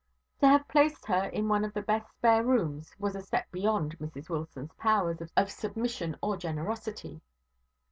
To have placed her in the one best spare room was a step beyond Mrs Wilson's powers of submission or generosity.